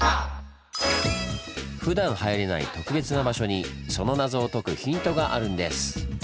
ふだん入れない特別な場所にその謎を解くヒントがあるんです。